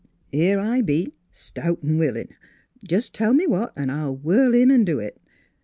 Here I be, stout an' willin'. Jest tell me what, an' I'll whirl in an' do it.